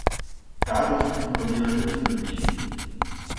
Dadurch können Programmierer Irrtümer begehen.